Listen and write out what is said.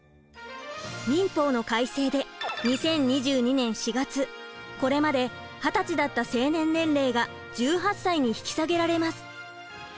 民法の改正で２０２２年４月これまで二十歳だった成年年齢が１８歳に引き下げられます。